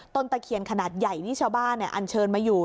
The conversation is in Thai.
ตะเคียนขนาดใหญ่นี่ชาวบ้านอันเชิญมาอยู่